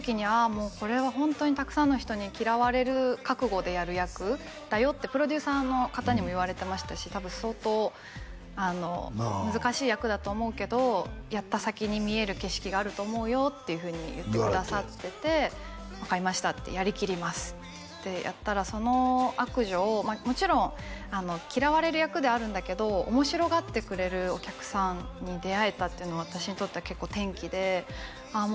もうこれはホントにたくさんの人に嫌われる覚悟でやる役だよってプロデューサーの方にも言われてましたし多分相当難しい役だと思うけどやった先に見える景色があると思うよっていうふうに言ってくださってて分かりましたってやりきりますって言ってやったらその悪女をもちろん嫌われる役であるんだけど面白がってくれるお客さんに出会えたっていうのは私にとっては結構転機でああ